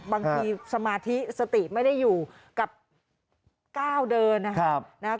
บางทีสมาธิสติไม่ได้อยู่กับก้าวเดินนะครับ